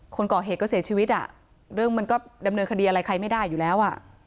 คนก่อเหตุก็เสียชีวิตอ่ะเรื่องมันก็ดำเนินคดีอะไรใครไม่ได้อยู่แล้วอ่ะ